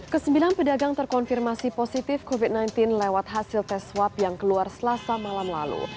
kesembilan pedagang terkonfirmasi positif covid sembilan belas lewat hasil tes swab yang keluar selasa malam lalu